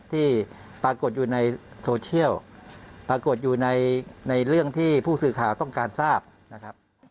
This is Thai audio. ที่ปรากฏอยู่ในโซเชียลปรากฏอยู่ในเรื่องที่ผู้สื่อข่าวต้องการทราบนะครับ